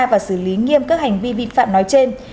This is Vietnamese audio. và xử lý nghiêm các hành vi vi phạm nói trên